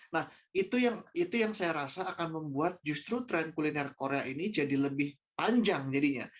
nah itu yang saya rasa akan membuat justru tren kuliner korea ini jadi lebih panjang jadinya